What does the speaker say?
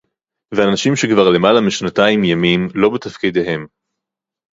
ואנשים שכבר למעלה משנתיים ימים לא בתפקידיהם